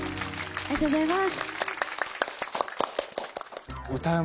ありがとうございます！